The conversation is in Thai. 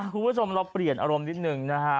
คุณผู้ชมเราเปลี่ยนอารมณ์นิดนึงนะฮะ